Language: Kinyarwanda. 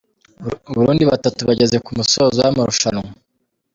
Burundi Batatu bageze ku musozo w’amarushanwa